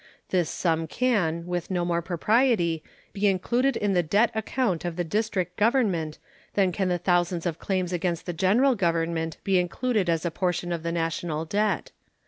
This sum can with no more propriety be included in the debt account of the District government than can the thousands of claims against the General Government be included as a portion of the national debt.